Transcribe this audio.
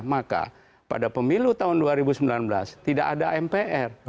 maka pada pemilu tahun dua ribu sembilan belas tidak ada mpr